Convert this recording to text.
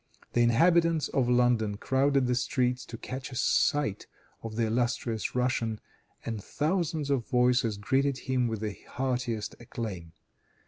The inhabitants of London crowded the streets to catch a sight of the illustrious Russian, and thousands of voices greeted him with the heartiest acclaim.